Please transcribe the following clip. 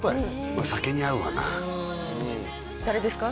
まあ酒に合うわな誰ですか？